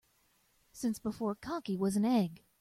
Since before cocky was an egg.